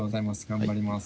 頑張ります。